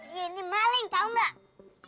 dia ini maling tau gak